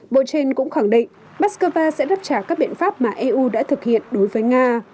bộ trên cũng khẳng định moscow sẽ đáp trả các biện pháp mà eu đã thực hiện đối với nga